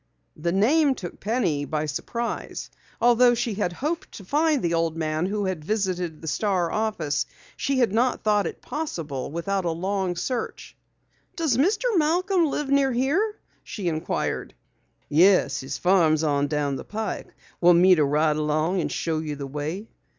The name took Penny by surprise. Although she had hoped to find the old man who had visited the Star office, she had not thought it possible without a long search. "Does Mr. Malcom live near here?" she inquired. "Yes, his farm's on down the pike. Want me to ride along and show you the way?"